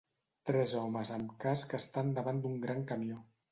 Tres homes amb casc estan davant d'un gran camió.